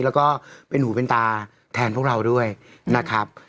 แล้วก็เป็นหูเป็นตาแทนพวกเราด้วยนะครับ